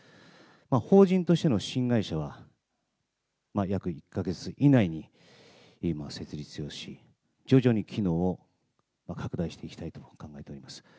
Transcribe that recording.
法人としての新会社は、約１か月以内に設立をし、徐々に機能を拡大していきたいと考えています。